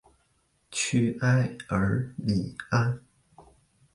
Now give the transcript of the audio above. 屈埃尔里安。